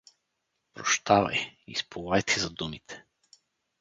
Прощавай и сполай ти за думите!